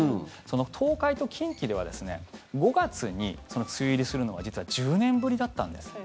東海と近畿では５月に梅雨入りするのは実は１０年ぶりだったんです。